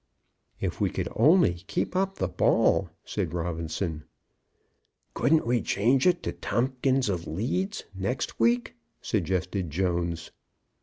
"If we could only keep up the ball!" said Robinson. "Couldn't we change it to Tomkins of Leeds next week?" suggested Jones.